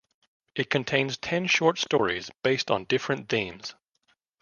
It contains ten short stories based on different themes.